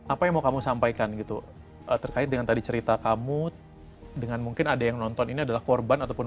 apa yang mau kamu sampaikan gitu terkait dengan tadi cerita kamu dengan mungkin ada yang nonton ini adalah korban ataupun